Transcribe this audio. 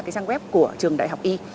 trang web của trường đại học y